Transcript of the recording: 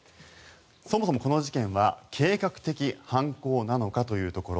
そもそも、この事件は計画的犯行なのかというところ。